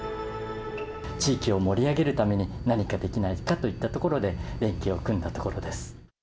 地域を盛り上げるために、何かできないかといったところで、連携を組んだところです。